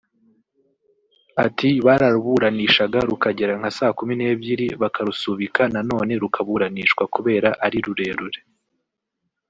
Ati Bararuburanishaga rukagera nka saa kumi n’ebyiri bakarusubika nanone rukaburanishwa kubera ari rurerure